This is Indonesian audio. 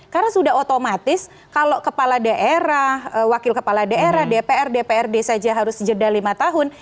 karena sudah otomatis kalau kepala daerah wakil kepala daerah dpr dprd saja harus jeda lima tahun